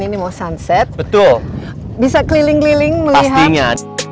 ini mau sunset betul bisa keliling keliling melihatnya